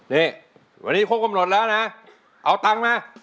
นี่วันนี้ครบกำหนดแล้วนะเอาตังค์มา